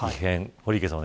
堀池さん